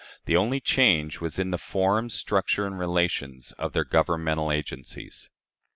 The only change was in the form, structure, and relations of their governmental agencies.